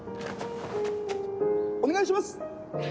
お願いします！